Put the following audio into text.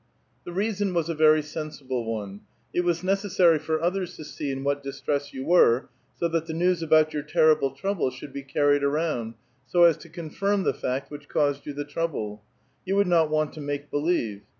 "" The reason was a very sensible one. It was necessary for others to see in what distress you were, so that the news about your terrible trouble should be carried around, so as to confirm the fact which caused vou the trouble. You would not want to make believe.